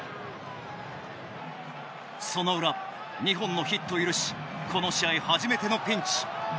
その裏２本のヒットを許しこの試合初めてのピンチ。